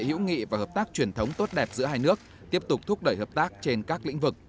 hữu nghị và hợp tác truyền thống tốt đẹp giữa hai nước tiếp tục thúc đẩy hợp tác trên các lĩnh vực